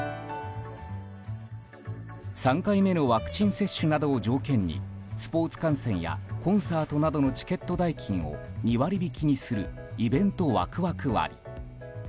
３回目のワクチン接種などを条件にスポーツ観戦やコンサートなどのチケット代金を２割引きにするイベントワクワク割。